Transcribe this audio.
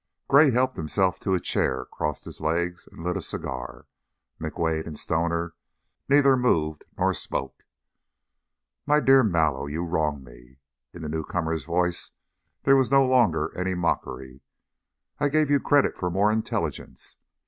Gray helped himself to a chair, crossed his legs, and lit a cigar. McWade and Stoner neither moved nor spoke. "My dear Mallow, you wrong me." In the newcomer's voice there was no longer any mockery. "I gave you credit for more intelligence.